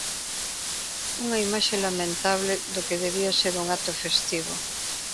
Unha imaxe lamentable do que debía ser un acto festivo.